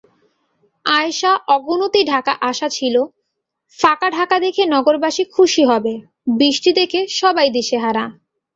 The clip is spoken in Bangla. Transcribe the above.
আয়েশা অগুণতিঢাকাআশা ছিল ফাঁকা ঢাকা দেখে নগরবাসী খুশি হবে, বৃষ্টি দেখে সবাই দিশেহারা।